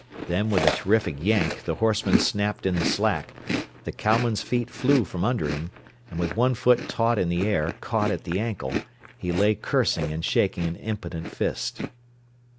Then with a terrific yank the horseman snapped in the slack, the cowman's feet flew from under him, and with one foot taut in the air, caught at the ankle, he lay cursing and shaking an impotent fist.